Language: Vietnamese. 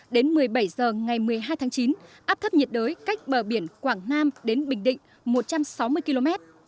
đến một mươi bảy h ngày một mươi hai tháng chín áp thấp nhiệt đới cách bờ biển quảng nam đến bình định một trăm sáu mươi km